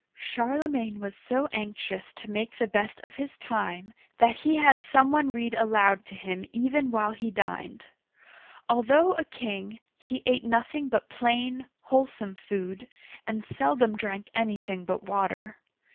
'* Charlemagne was so anxious to make the best of his time, that he had some one read aloud to him even while he dined. Although a king, he ate nothing but plain, wholesome food, and seldom drank anything but water.